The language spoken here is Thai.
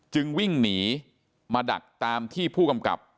จึงวิ่งหนีมาดักตามที่ผู้กำกับ